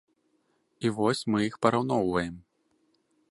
І вось мы іх параўноўваем.